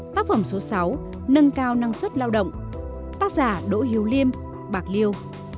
tác phẩm số sáu nâng cao năng suất lao động tác giả đỗ hiếu liêm bạc liêu